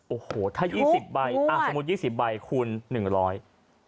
โอ้โหถ้า๒๐ใบสมมุติ๒๐ใบคูณ๑๐๐